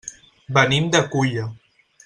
Venim de Culla.